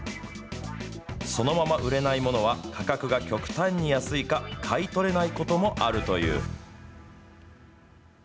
そのまま売れないものは価格が極端に安いか、買い取れないこともあるという。